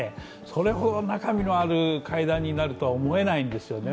それほど、中身のある会談になるとは思えないんですよね。